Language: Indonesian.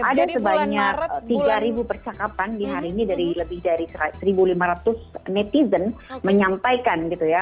ada sebanyak tiga percakapan di hari ini dari lebih dari satu lima ratus netizen menyampaikan gitu ya